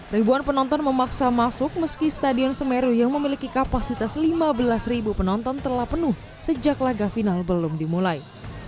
ribuan penonton memaksa masuk meski stadion semeru yang memiliki kapasitas lima belas ribu penonton telah penuh sejak laga final belum dimulai